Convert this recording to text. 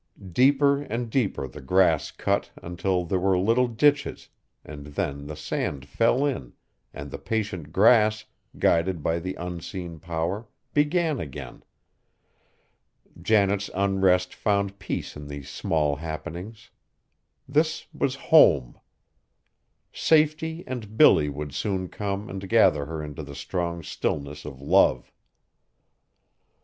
Deeper and deeper the grass cut until there were little ditches, and then the sand fell in, and the patient grass, guided by the unseen power, began again. Janet's unrest found peace in these small happenings. This was home. Safety and Billy would soon come and gather her into the strong stillness of love!